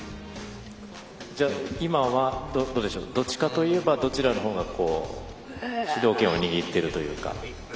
今はどっちかといえばどちらの方が主導権を握っているというか。